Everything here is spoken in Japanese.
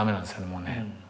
もうね。